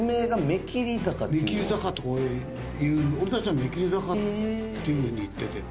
目切坂っていう俺たちは目切坂っていうふうに言ってて。